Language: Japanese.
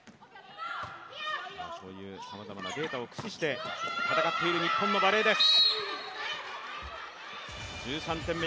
そういうさまざまなデータを駆使して戦っている日本のバレーです。